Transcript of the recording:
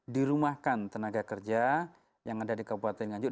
dirumahkan tenaga kerja yang ada di kabupaten nganjuk